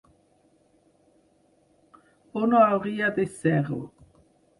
O no hauria de ser-ho.